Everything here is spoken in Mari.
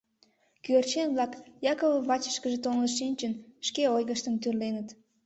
Кӧгӧрчен-влак, Якобын вачышкыже толын шинчын, шке ойгыштым тӱрленыт.